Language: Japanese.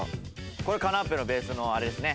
これカナッペのベースのあれですね。